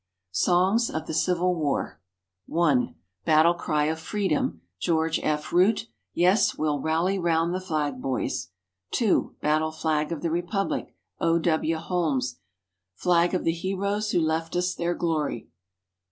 Songs of the Civil War (1) Battle Cry of Freedom. George F. Root. "Yes, we'll rally round the flag, boys." (2) Battle Flag of the Republic. O. W. Holmes. "Flag of the heroes who left us their glory."